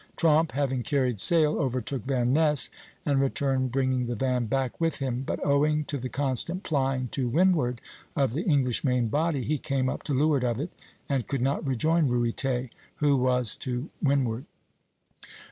Tromp, having carried sail, overtook Van Ness, and returned bringing the van back with him (V', R'); but owing to the constant plying to windward of the English main body he came up to leeward of it and could not rejoin Ruyter, who was to windward (Fig.